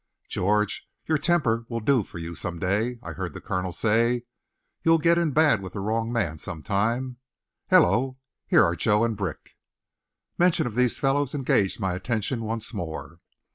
"George, your temper'll do for you some day," I heard the colonel say. "You'll get in bad with the wrong man some time. Hello, here are Joe and Brick!" Mention of these fellows engaged my attention once more.